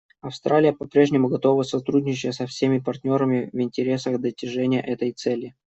Австралия попрежнему готова сотрудничать со всеми партнерами в интересах достижения этой цели.